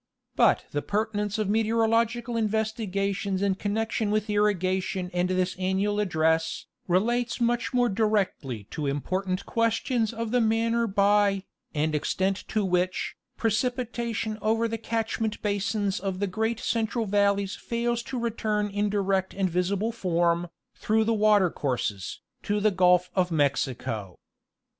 But the pertinence of meteorological investigations in connection with irrigation and this annual address, relates much more directly to important questions of the manner by, and extent to which, precipitation over the catchment basins of the great central valleys fails to return in direct and visible form, through the water courses, to the Gulf of Mexico.